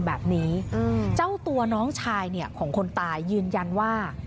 แบบนี้เจ้าตัวน้องชายเนี่ยของคนตายยืนยันว่า